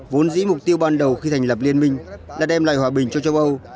vốn dĩ mục tiêu ban đầu khi thành lập liên minh là đem lại hòa bình cho châu âu